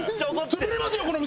潰れますよ？